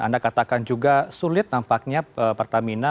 anda katakan juga sulit nampaknya pertamina